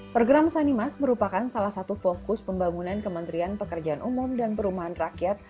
program sanimas merupakan salah satu fokus pembangunan kementerian pekerjaan umum dan perumahan rakyat